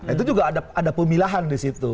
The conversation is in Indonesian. itu juga ada pemilahan disitu